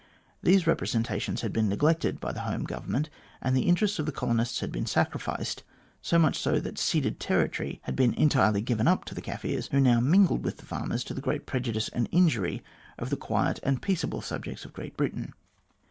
These representations had been neglected by the Home Government, and the interests of the colonists had been sacrificed, so much ^o that the ceded territory had been entirely given up to the Kaffirs, who now mingled with the farmers to the great prejudice and injury of the quiet and peaceable subjects of Great Britain.